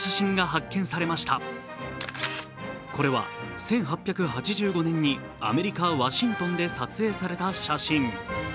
これは１８８５年にアメリカ・ワシントンで撮影された写真。